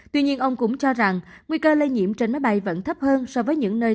tuy nhiên ông cũng cho rằng nguy cơ lây nhiễm trên máy bay vẫn thấp hơn so với những nơi